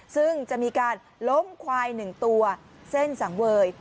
ซึ่งจะมีการล้มควาย๑ตัวเส้นสังเวย